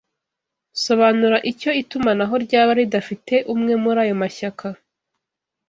Sobanura icyo itumanaho ryaba ridafite umwe muri ayo mashyaka